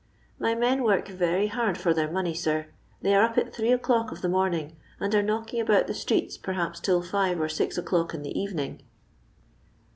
My Inen work very hard their money, sir ; they are up at 8 o'clock of the morning, and are knocking about the streets, perhaps till 5 or 6 o'clock in the evening."